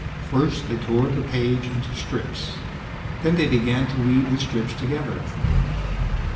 First, they tore the page into strips, then they began to weave the strips together.